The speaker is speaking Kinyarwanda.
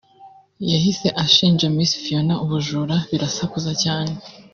yahise ashinja Miss Phiona ubujura birasakuza cyane